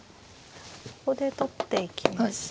ここで取っていきました。